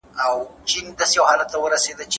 د ديت لپاره بايد ازاد انسان ونه ټاکل سي.